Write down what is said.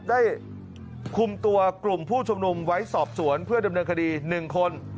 ได้คุมตัวกลุ่มผู้ชุมนุมไว้สอบสวนเพื่อดำเนินคดี๑คน